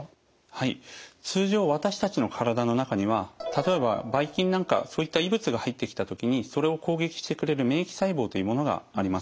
はい通常私たちの体の中には例えばばい菌なんかそういった異物が入ってきた時にそれを攻撃してくれる免疫細胞というものがあります。